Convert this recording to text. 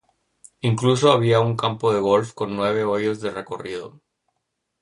Incluso había un campo de golf con nueve hoyos de recorrido.